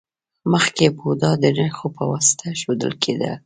مخکې بودا د نښو په واسطه ښودل کیده